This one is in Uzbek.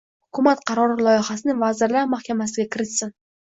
Hukumat qarori loyihasini Vazirlar Mahkamasiga kiritsin.